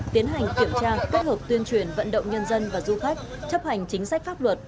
tiến hành kiểm tra kết hợp tuyên truyền vận động nhân dân và du khách chấp hành chính sách pháp luật